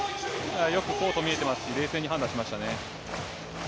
よくコート見えてますし、冷静に判断しましたね。